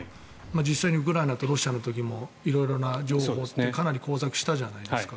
実際にウクライナとロシアの時も色々な情報がかなり交錯したじゃないですか。